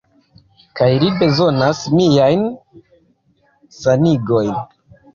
Kaj li bezonas miajn sanigojn.